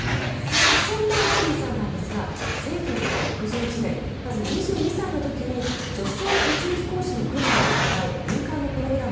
そんなウォーリーさんなんですが１９６１年まず２２歳の時に女性宇宙飛行士の訓練を行う民間のプログラム